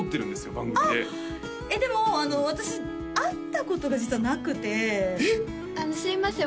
番組でえっでも私会ったことが実はなくてあのすいません